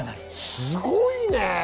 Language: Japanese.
すごいね。